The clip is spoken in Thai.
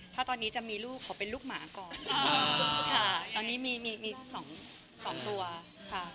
ถ้าตอนนี้จะมีลูกขอเป็นลูกหมาก่อนค่ะตอนนี้มีมีสองสองตัวค่ะ